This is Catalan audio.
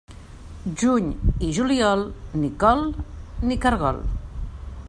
Juny i juliol, ni col ni caragol.